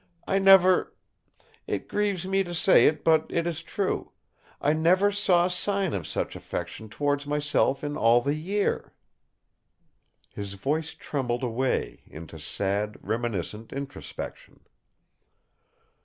I never—it grieves me to say it, but it is true—I never saw sign of such affection towards myself in all the year!..." His voice trembled away into sad, reminiscent introspection.